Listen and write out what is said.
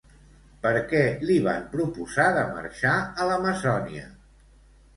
Per què li van proposar de marxar a l'Amazònia?